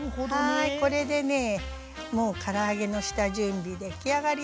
はいこれでねもうから揚げの下準備出来上がりです！